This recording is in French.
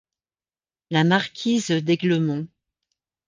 La marquise d’Aiglemont.